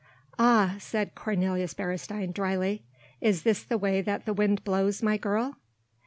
"Ah!" said Cornelius Beresteyn dryly, "is this the way that the wind blows, my girl?